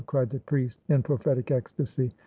cried the priest, in prophetic ecstasy.